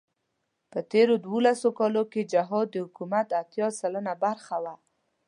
په تېرو دولسو کالو کې جهاد د حکومت اتيا سلنه برخه وه.